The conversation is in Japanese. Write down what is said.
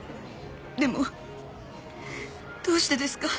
でもどうしてですか？